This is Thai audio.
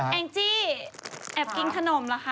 แองจี้แอบกินขนมเหรอคะ